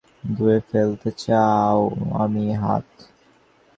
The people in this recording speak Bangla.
সমস্ত ব্যাপারটা থেকে আমি হাত ধুয়ে ফেলতে চাই।